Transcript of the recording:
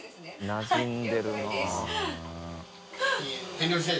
なじんでるな。